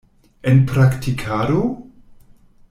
En praktikado?